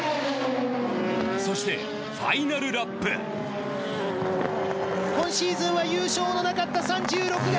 そしてファイナルラップ今シーズンは優勝のなかった３６が。